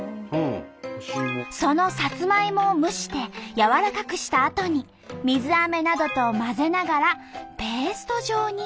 そのサツマイモを蒸して軟らかくしたあとに水あめなどと混ぜながらペースト状に。